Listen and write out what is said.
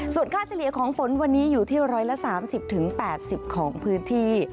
ส่วนค่าเฉลี่ยของฝนวันนี้อยู่ที่๑๓๐๘๐ของพื้นที่